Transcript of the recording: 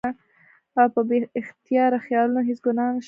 او پۀ بې اختياره خيالونو هېڅ ګناه نشته